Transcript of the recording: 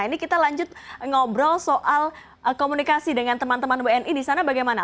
ini kita lanjut ngobrol soal komunikasi dengan teman teman wni di sana bagaimana